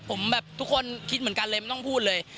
ผมแบบทุกคนคิดเหมือนกันเลยไม่ต้องพูดเลย